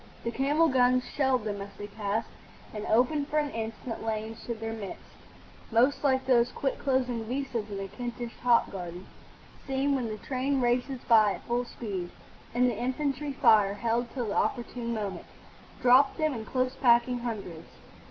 The camel guns shelled them as they passed and opened for an instant lanes through their midst, most like those quick closing vistas in a Kentish hop garden seen when the train races by at full speed; and the infantry fire, held till the opportune moment, dropped them in close packing hundreds.